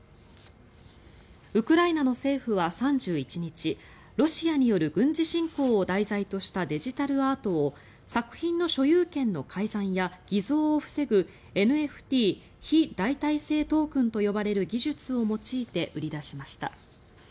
ウクライナの政府は３１日ロシアによる軍事侵攻を題材としたデジタルアートを作品の所有権の改ざんや偽造を防ぐＮＦＴ・非代替性トークンと呼ばれる技術を用いて売り出しました。